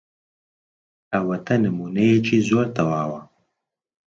ئەوەتە نموونەیەکی زۆر تەواو.